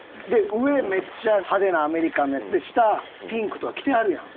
上めっちゃ派手なアメリカンのやつで下ピンクとか着てはるやん。